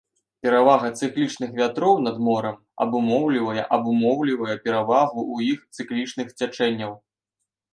Перавага цыкланічных вятроў над морам абумоўлівае абумоўлівае перавагу ў іх цыкланічных цячэнняў.